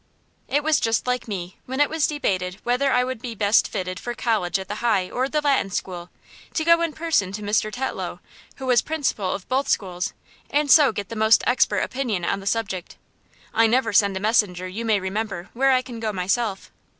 It was just like me, when it was debated whether I would be best fitted for college at the High or the Latin School, to go in person to Mr. Tetlow, who was principal of both schools, and so get the most expert opinion on the subject. I never send a messenger, you may remember, where I can go myself.